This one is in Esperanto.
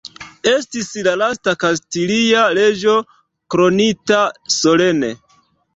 Estis la lasta kastilia reĝo kronita solene.